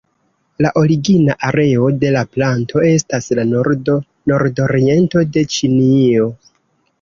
La origina areo de la planto estas la nordo, nordoriento de Ĉinio.